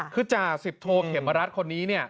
คือจ่าสิบโทเขมรัฐคนนี้เนี่ย